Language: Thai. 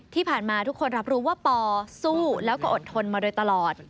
ที่ผ่านมาทุกคนรับรู้ว่าปอสู้แล้วก็อดทนมาโดยตลอด